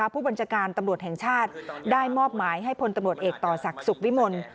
ผู้บัญชาการตำรวจแห่งชาติได้มอบหมายให้พลตำรวจเอกต่อศักดิ์สุขวิมล